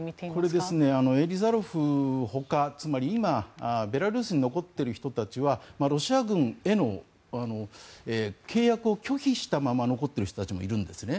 これ、エリザロフほかつまり今、ベラルーシに残っている人たちはロシア軍への契約を拒否したまま残っている人たちもいるんですね。